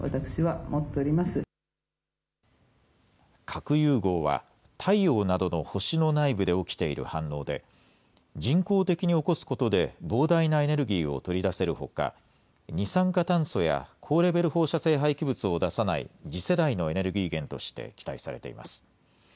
核融合は、太陽などの星の内部で起きている反応で、人工的に起こすことで、膨大なエネルギーを取り出せるほか、二酸化炭素や高レベル放射性廃棄物を出さない次世代のエネルギー源として期待されています。